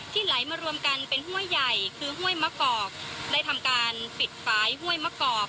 ไหลมารวมกันเป็นห้วยใหญ่คือห้วยมะกอกได้ทำการปิดฝ่ายห้วยมะกอก